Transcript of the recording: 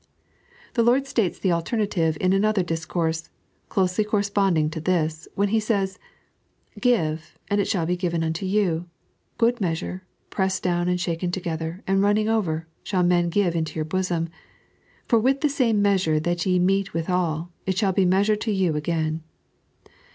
The Lord states the alternative in another discourse, closely corresponding to this, when He says :" Qive, and it shall be given unto you ; good measure, pressed down, and shaken together, and running over, shall men give into your bosom. For with the same measure that ye mete withal it shall be messured to you again."